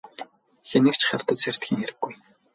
Хэнийг ч хардаж сэрдэхийн хэрэггүй.